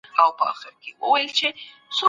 هغه ملګري چې تل تور اړخ ویني مه ساتئ.